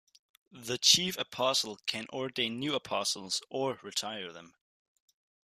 The Chief Apostle can ordain new apostles or retire them.